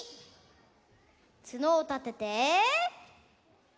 つのをたてて。